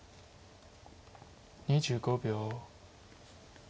２５秒。